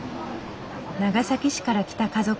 長崎市から来た家族。